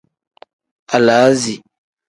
Alaazi.